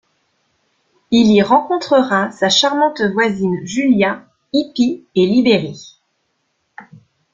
Il y rencontrera sa charmante voisine Julia, hippie et libérée.